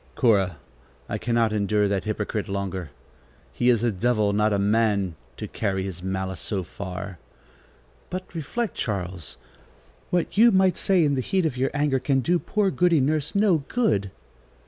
"Cora, I cannot endure that hypocrite longer. He is a devil, not a man, to carry his malice so far." "But reflect, Charles. What you might say in the heat of your anger can do poor Goody Nurse no good."